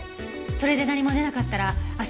それで何も出なかったら明日